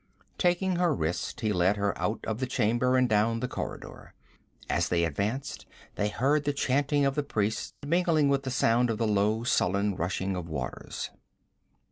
Taking her wrist he led her out of the chamber and down the corridor. As they advanced they heard the chanting of the priests, and mingling with the sound the low sullen rushing of waters.